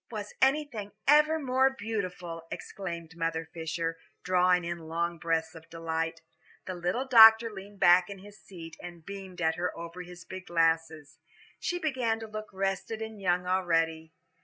"Was anything ever more beautiful?" exclaimed Mother Fisher, drawing in long breaths of delight. The little doctor leaned back in his seat, and beamed at her over his big glasses. She began to look rested and young already.